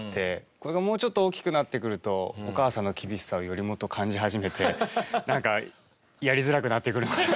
これがもうちょっと大きくなってくるとお母さんの厳しさをよりもっと感じ始めてなんかやりづらくなっていくのかな。